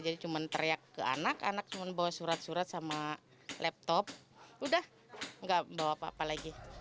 jadi cuma teriak ke anak anak cuma bawa surat surat sama laptop udah gak bawa apa apa lagi